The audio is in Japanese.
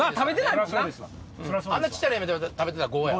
⁉あんな小っちゃい冷麺食べてたら５や。